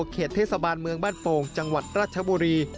เขตเทศบาลเมืองบ้านโป่งจังหวัดราชบุรี